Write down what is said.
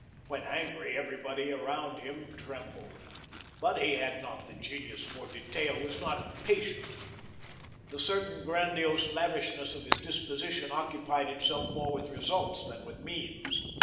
When angry, everybody around him trembled. But he had not the genius for detail, was not patient. The certain grandiose lavishness of his disposition occupied itself more with results than with means.